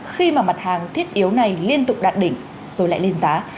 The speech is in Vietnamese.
khi mà mặt hàng thiết yếu này liên tục đạt đỉnh rồi lại lên giá